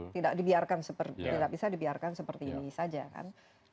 tidak bisa dibiarkan seperti ini saja kan